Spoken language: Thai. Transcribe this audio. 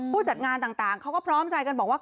จัดงานต่างเขาก็พร้อมใจกันบอกว่า